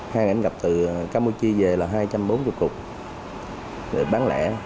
hai ngày em gặp từ campuchia về là hai trăm bốn mươi cục để bán lẻ